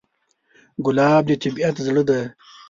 ګلاب د طبیعت زړه دی.